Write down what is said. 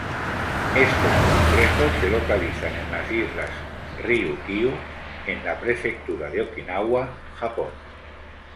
Estos complejos se localizan en las islas Ryukyu, en la prefectura de Okinawa, Japón.